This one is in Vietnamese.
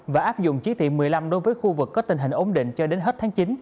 và áp dụng trí thị một mươi năm đối với khu vực có tình hình ổn định cho đến hết tháng chín